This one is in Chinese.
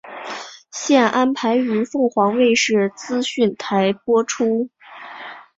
现安排于凤凰卫视资讯台播出。